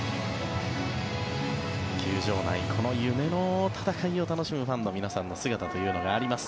球場内、この夢の戦いを楽しむファンの皆さんの姿というのがあります。